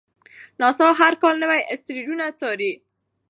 ناسا هر کال نوي اسټروېډونه څاري.